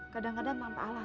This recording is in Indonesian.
kadang kadang tanpa alasan